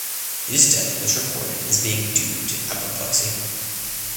His death was recorded as being due to apoplexy.